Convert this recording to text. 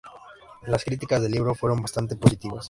Las críticas del libro fueron bastante positivas.